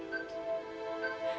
dia sudah berakhir